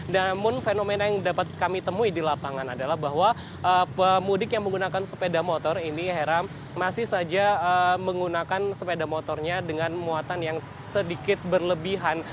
namun fenomena yang dapat kami temui di lapangan adalah bahwa pemudik yang menggunakan sepeda motor ini heram masih saja menggunakan sepeda motornya dengan muatan yang sedikit berlebihan